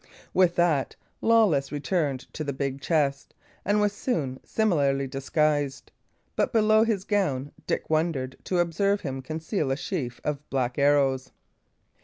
With that, Lawless returned to the big chest, and was soon similarly disguised; but, below his gown, Dick wondered to observe him conceal a sheaf of black arrows.